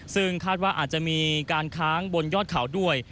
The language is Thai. ซึ่งคาดว่าอาจจะมีการค้างบนยอดเขาด้วย